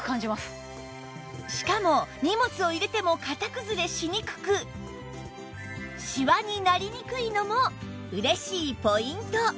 しかも荷物を入れても型くずれしにくくシワになりにくいのも嬉しいポイント